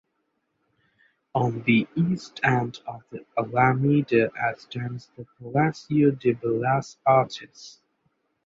On the east end of the Alameda stands the Palacio de Bellas Artes.